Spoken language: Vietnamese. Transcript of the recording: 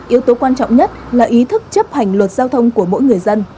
yếu tố quan trọng nhất là ý thức chấp hành luật giao thông của mỗi người dân